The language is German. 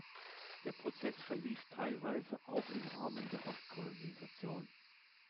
Der Prozess verlief teilweise auch im Rahmen der Ostkolonisation.